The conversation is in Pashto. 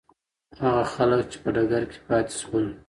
هغه خلک چې په ډګر کې پاتې شول.